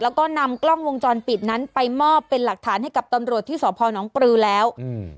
แล้วก็นำกล้องวงจรปิดนั้นไปมอบเป็นหลักฐานให้กับตำรวจที่สพนปลือแล้วอืม